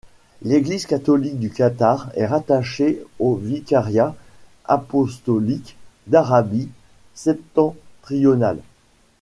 L'Église catholique du Qatar est rattachée au vicariat apostolique d'Arabie septentrionale.